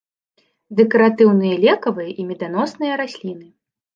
Дэкаратыўныя, лекавыя і меданосныя расліны.